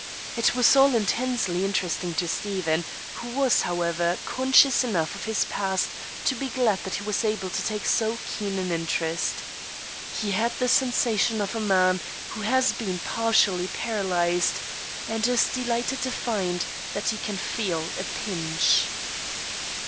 It was all intensely interesting to Stephen, who was, however, conscious enough of his past to be glad that he was able to take so keen an interest. He had the sensation of a man who has been partially paralyzed, and is delighted to find that he can feel a pinch.